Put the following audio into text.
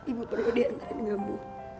ibu perlu diantarin ke bu